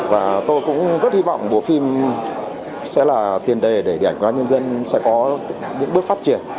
và tôi cũng rất hy vọng bộ phim sẽ là tiền đề để điện ảnh nhân dân sẽ có những bước phát triển